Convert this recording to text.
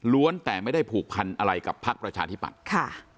แต่ไม่ได้ผูกพันอะไรกับพักประชาธิปัตย์ค่ะ